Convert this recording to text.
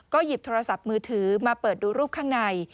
หยิบโทรศัพท์มือถือมาเปิดดูรูปข้างใน